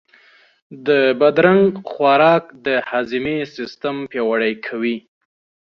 د بادرنګ خوراک د هاضمې سیستم پیاوړی کوي.